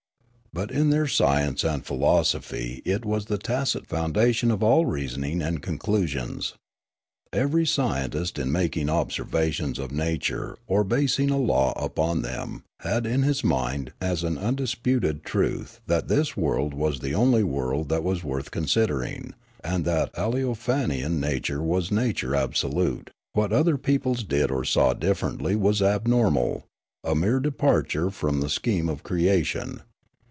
But in their science and philosophy it was the tacit foundation of all reasonings and conclusions. Every scientist in making observations of nature or basing a law upon them had in his mind as an undisputed truth that this world was the only world that was worth considering, and that Aleofanian nature was nature absolute ; what other peoples did or saw differently was abnormal, a mere departure from the scheme of creation.